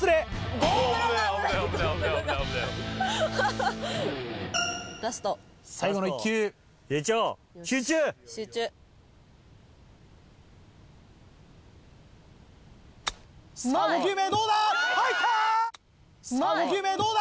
５球目どうだ？